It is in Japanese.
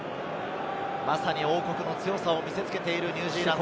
王国の強さを見せつけているニュージーランド。